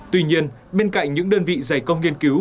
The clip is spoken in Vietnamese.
tuy nhiên bên cạnh những đơn vị dày công nghiên cứu